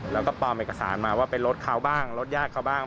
แล้วก็ปลอมเอกสารมาว่าเป็นรถเขาบ้างรถญาติเขาบ้าง